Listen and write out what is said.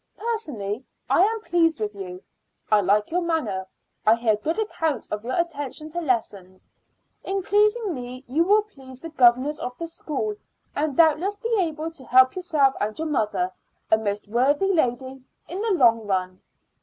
Personally I am pleased with you. I like your manner; I hear good accounts of your attention to lessons. In pleasing me you will please the governors of the school, and doubtless be able to help yourself and your mother, a most worthy lady, in the long run."